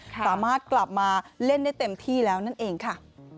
สามารถกลับมาเล่นได้เต็มที่แล้วนั่นเองค่ะ